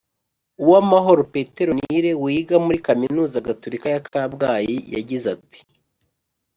uwamahoro petronille wiga muri kaminuza gatulika ya kabgayi yagize ati: